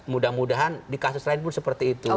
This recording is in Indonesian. mudah mudahan di kasus lain pun seperti itu